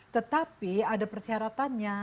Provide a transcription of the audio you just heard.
tetapi ada persyaratannya